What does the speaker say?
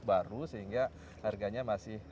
baru sehingga harganya masih